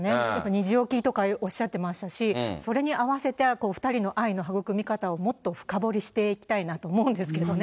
２時起きとかおっしゃってましたし、それにあわせて、２人の愛の育み方をもっと深掘りしていきたいなと思うんですけどね。